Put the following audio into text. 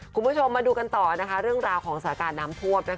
คุณผู้ชมดูกันต่อเรื่องราวของสถานะน้ำทวบ